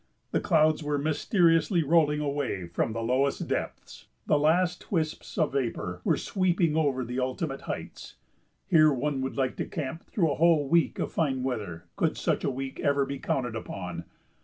The clouds were mysteriously rolling away from the lowest depths; the last wisps of vapor were sweeping over the ultimate heights. Here one would like to camp through a whole week of fine weather could such a week ever be counted upon.